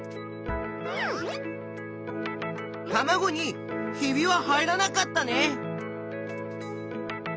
たまごに「ひび」は入らなかったね。